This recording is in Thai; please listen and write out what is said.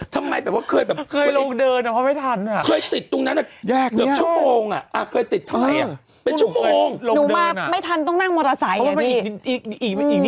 ทำไมแต่ว่าเคยอะไรมากกับเคยลงเวลาเดินเราครั้งเด็กไหม